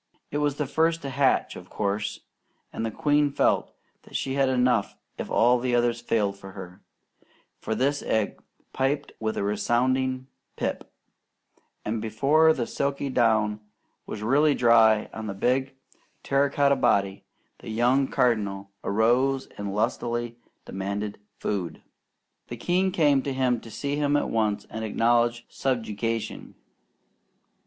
It was the first to hatch, of course, and the queen felt that she had enough if all the others failed her; for this egg pipped with a resounding pip, and before the silky down was really dry on the big terracotta body, the young Cardinal arose and lustily demanded food. The king came to see him and at once acknowledged subjugation.